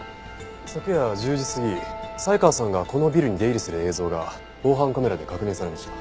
昨夜１０時過ぎ才川さんがこのビルに出入りする映像が防犯カメラで確認されました。